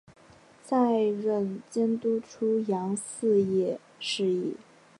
再任监督出洋肄业事宜。